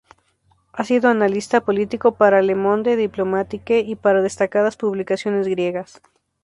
Ha sido analista político para "Le Monde Diplomatique" y para destacadas publicaciones griegas.